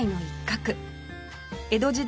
江戸時代